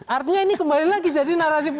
artinya ini kembali lagi jadi narasi politik